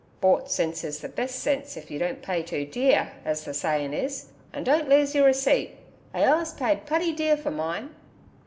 Bought sense is the best of sense if yer don't pay too dear, as ther sayin' is, an' don't lose yer receipt. I allus paid putty dear fer mine.'